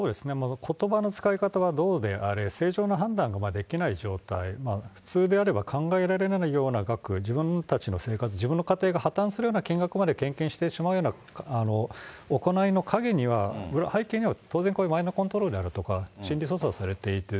ことばの使い方はどうであれ、正常な判断ができない状態、普通であれば考えられないような額を自分たちの生活、自分の家庭が破綻するような金額まで献金してしまうような行いの陰には、背景には、当然マインドコントロール下にあるとか、心理操作をされている。